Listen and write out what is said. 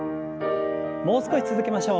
もう少し続けましょう。